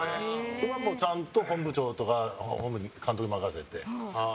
そこはちゃんと本部長とか監督に任せて。